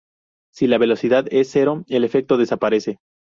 Si la velocidad es cero el efecto desaparece.